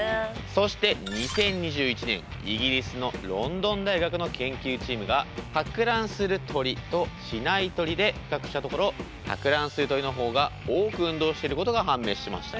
そして２０２１年イギリスのロンドン大学の研究チームが托卵する鳥としない鳥で比較したところ托卵する鳥の方が多く運動してることが判明しました。